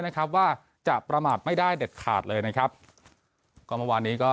นะครับว่าจะประมาทไม่ได้เด็ดขาดเลยนะครับก็เมื่อวานนี้ก็